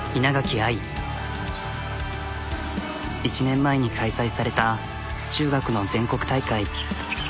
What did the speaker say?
１年前に開催された中学の全国大会。